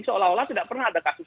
seolah olah tidak pernah ada kasus